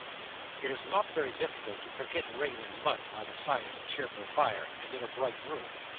It is not very difficult to forget rain and mud by the side of a cheerful fire, and in a bright room.